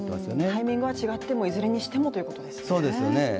タイミングは違っても、いずれにしてもということですね。